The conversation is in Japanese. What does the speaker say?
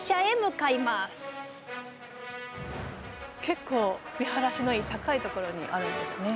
結構見晴らしのいい高いところにあるんですね。